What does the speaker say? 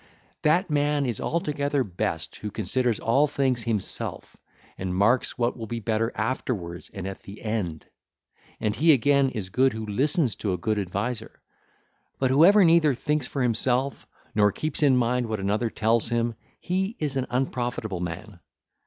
(ll. 293 319) That man is altogether best who considers all things himself and marks what will be better afterwards and at the end; and he, again, is good who listens to a good adviser; but whoever neither thinks for himself nor keeps in mind what another tells him, he is an unprofitable man.